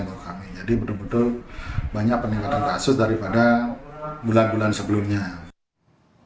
kondisi ini membuat jumlah ketersediaan kasur di ruang perawatan rumah sakit sudah mencapai tujuh puluh lima persen